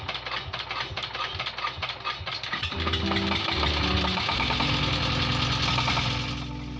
kondisi keluarga memaksa aril untuk berpikir lebih dewasa